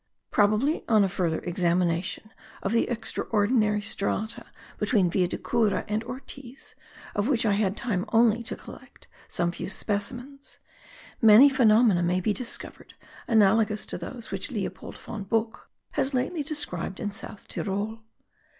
Probably on a further examination of the extraordinary strata between Villa de Cura and Ortiz, of which I had time only to collect some few specimens, many phenomena may be discovered analogous to those which Leopold von Buch has lately described in South Tyrol.